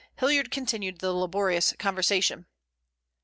Hilliard continued the laborious conversation.